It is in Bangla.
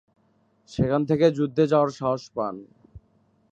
সেখান থেকে যুদ্ধে যাওয়ার সাহস পান।